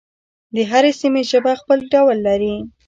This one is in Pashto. د هرې سیمې ژبه خپل ډول لري.